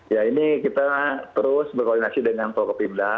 ya ini kita terus berkoordinasi dengan prokopimda